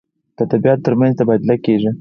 د ادبیاتو تر منځ تبادله کیږي.